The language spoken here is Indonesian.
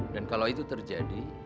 dan kalau itu terjadi